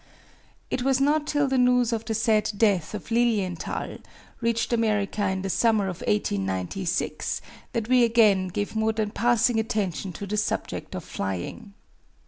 It was not till the news of the sad death of Lilienthal reached America in the summer of 1896 that we again gave more than passing attention to the subject of flying.